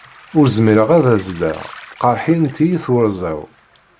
Ur zmireɣ ad azzleɣ, ttqerriḥent-iyi twerẓa-w.